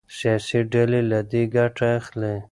سياسي ډلې له دې ګټه اخلي.